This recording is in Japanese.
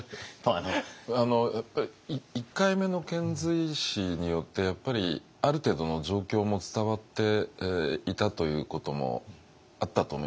やっぱり１回目の遣隋使によってある程度の状況も伝わっていたということもあったと思いますね。